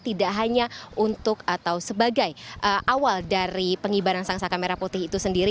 tidak hanya untuk atau sebagai awal dari pengibaran sang saka merah putih itu sendiri